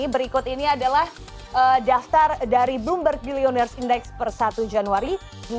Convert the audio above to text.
berikut ini adalah daftar dari bloomberg bilioners index per satu januari dua ribu dua puluh